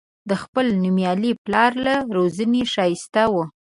د خپل نومیالي پلار له روزنې ښایسته و.